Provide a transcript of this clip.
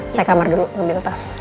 saya kamar dulu mobil tas